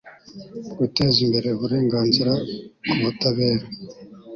guteza imbere uburenganzira ku butabera